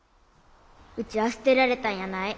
うちは捨てられたんやない。